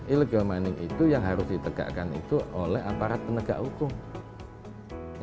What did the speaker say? illegal mining itu yang harus ditegakkan itu oleh aparat penegak hukum